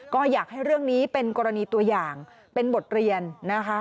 ก็อยากให้เรื่องนี้เป็นกรณีตัวอย่างเป็นบทเรียนนะคะ